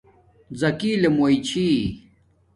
زکی لومِن چھی